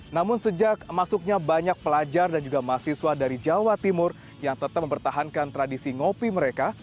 namun sejak masuknya banyak pelajar dan juga mahasiswa dari jawa timur yang tetap mempertahankan tradisi ngopi mereka